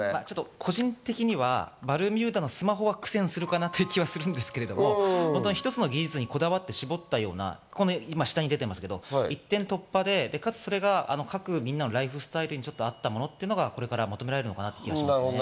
個人的にはバルミューダのスマホは苦戦するかなと思うんですけど、一つの技術にこだわって絞ったようなもので一点突破で、みんなのライフスタイルに合ったものというのがこれから求められるかなと思います。